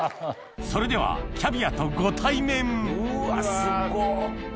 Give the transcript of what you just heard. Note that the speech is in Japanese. それではキャビアとご対面うわすごっ。